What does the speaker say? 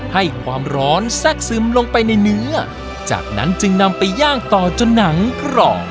ให้ความร้อนแทรกซึมลงไปในเนื้อจากนั้นจึงนำไปย่างต่อจนหนังกรอบ